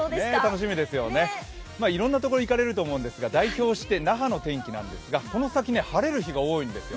楽しみですよね、いろんなところに行かれると思いますが代表して那覇の天気なんですがこの先、晴れる日が多いんですよ。